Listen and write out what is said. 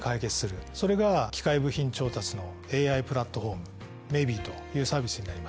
それが機械部品調達のＡＩプラットフォーム「ｍｅｖｉｙ」というサービスになります。